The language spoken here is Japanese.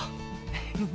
フフフ。